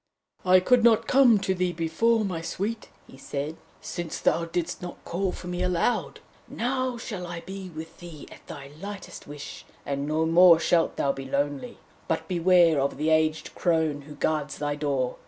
'I could not come to thee before, my Sweet,' said he, 'since thou didst not call for me aloud. Now shall I be with thee at thy lightest wish, and no more shalt thou be lonely. But beware of the aged crone who guards thy door!